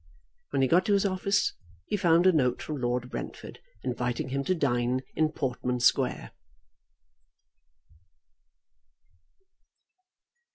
When he got to his office he found a note from Lord Brentford inviting him to dine in Portman Square.